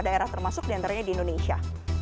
pada era termasuk di antaranya di indonesia